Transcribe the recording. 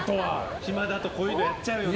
暇だとこういうのやっちゃうよね。